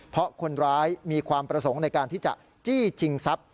เพราะคนร้ายมีความประสงค์ในการที่จะจี้ชิงทรัพย